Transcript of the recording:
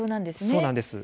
そうなんです。